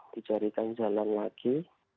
dijarikan jalan lagi